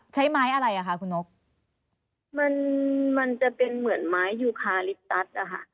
ใช้ไม้อะไรมันจะเป็นเหมือนไม้ยูคาริตัส